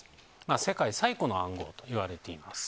世界最古の暗号といわれています。